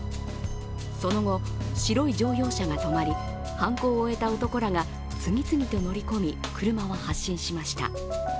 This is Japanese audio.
その後、白い乗用車が止まり犯行を終えた男らが次々と乗り込み、車は発進しました